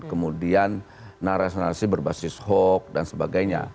kemudian narasi narasi berbasis hoax dan sebagainya